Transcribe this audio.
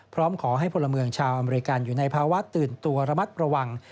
พร้อมขอให้พลเมืองชาวอเมริกันอยู่ในภาวะตื่นตัวระมัดระวัง